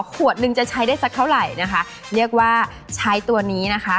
ขวดนึงจะใช้ได้สักเท่าไหร่นะคะเรียกว่าใช้ตัวนี้นะคะ